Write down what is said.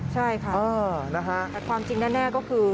ใช่ค่ะแต่ความจริงแน่ก็คือ